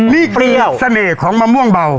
นี่เปลือเสน่ห์ของมะม่วงเบา